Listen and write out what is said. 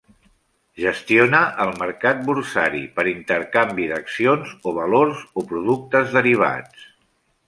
Gestiona el mercat borsari, per intercanvi d'accions o valors o productes derivats.